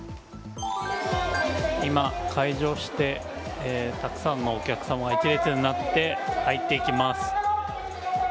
今、開場してたくさんのお客さんが一列になって入っていきます。